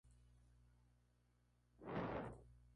El centro administrativo es la ciudad de Mathura.